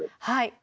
はい。